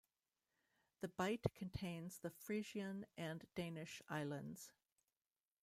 The Bight contains the Frisian and Danish Islands.